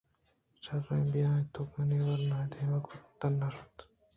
شرّیں بیا اِت توکاآئی ءَآواناں دیم ءَ کُتءُلوگ ءِ تہا شت اَنت